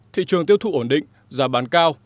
thị trường tiêu thụ ổn định giá bán cao